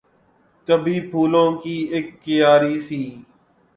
کبھی پھولوں کی اک کیاری سی